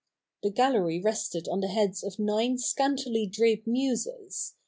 The gallery rested on the heads of nine scantily draped Muses, CH.